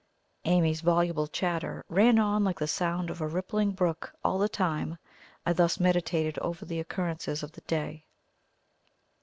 Amy's voluble chatter ran on like the sound of a rippling brook all the time I thus meditated over the occurrences of the day.